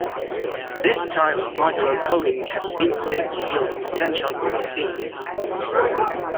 This type of modular coding has been claimed to yield a potential for ambiguity.